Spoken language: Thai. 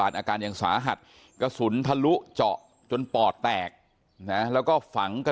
อายุ๑๐ปีนะฮะเขาบอกว่าเขาก็เห็นถูกยิงนะครับ